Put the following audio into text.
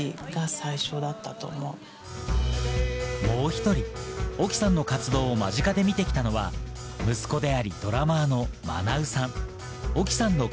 もう１人、ＯＫＩさんの活動を間近で見てきたのは息子であり、ドラマーのＭａｎａｗさん。